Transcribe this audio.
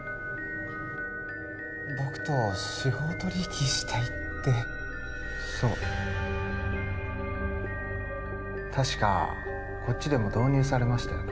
僕と司法取引したいってそう確かこっちでも導入されましたよね